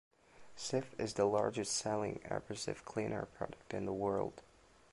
Cif is the largest selling abrasive cleaner product in the world.